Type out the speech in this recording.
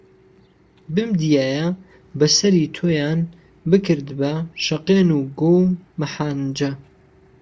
بمدییایه به سەری تۆیان بکردبا شهقێن و گۆو مهحانجه